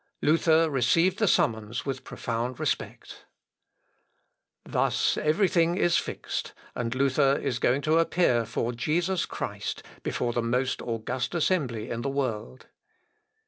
Luther received the summons with profound respect. Thus every thing is fixed, and Luther is going to appear for Jesus Christ before the most august assembly in the world.